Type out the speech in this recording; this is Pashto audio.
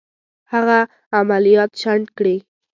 هغه عملیات شنډ کړي.